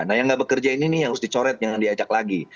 nah yang nggak bekerja ini nih yang harus dicoret jangan diacak lagi